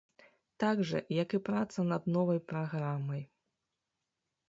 Так жа, як і праца над новай праграмай.